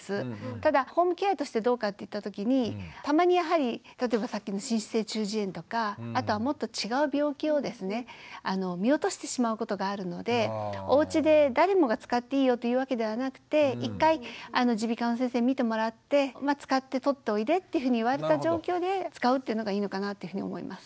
ただホームケアとしてどうかっていったときにたまにやはり例えばさっきの滲出性中耳炎とかあとはもっと違う病気をですね見落としてしまうことがあるのでおうちで誰もが使っていいよというわけではなくて一回耳鼻科の先生に診てもらって使って取っておいでっていうふうに言われた状況で使うというのがいいのかなというふうに思います。